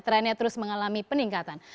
trennya terus mengalami peningkatan